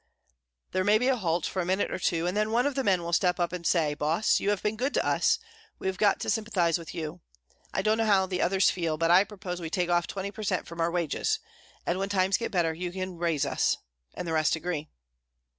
There may be a halt for a minute or two, and then one of the men will step up and say, 'Boss, you have been good to us; we have got to sympathise with you. I don't know how the others feel, but I propose we take off 20 per cent. from our wages, and when times get better, you can raise us,' and the rest agree."